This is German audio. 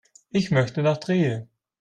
Ich möchte nach Trier